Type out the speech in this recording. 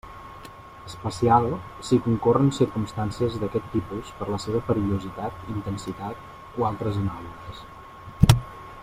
Especial, si concorren circumstàncies d'aquest tipus per la seva perillositat, intensitat o altres anàlogues.